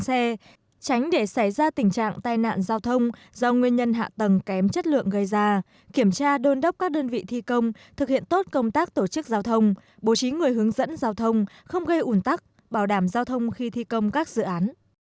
xe tránh để xảy ra tình trạng tai nạn giao thông do nguyên nhân hạ tầng kém chất lượng gây ra kiểm tra đôn đốc các đơn vị thi công thực hiện tốt công tác tổ chức giao thông bố trí người hướng dẫn giao thông không gây ủn tắc bảo đảm giao thông khi thi công các dự án